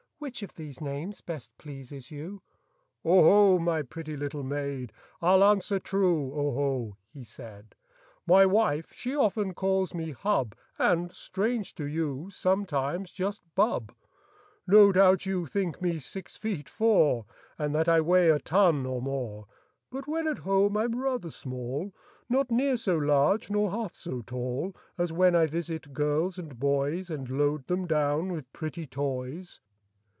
Which of these names best pleases you'?'' " 0 ho ! my pretty little maid. I'll answer true, 0 ho !" he said. Copyrighted, 1897. Y wife, she often calls me hub, ^ And, strange to you, sometimes just bub, No doubt you think me six feet, four, And that I weigh a ton or more, But when at home I'm rather small, Not near so large nor half so tall As when I visit girls and boys And load them down with pretty toys."